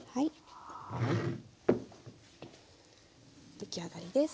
出来上がりです。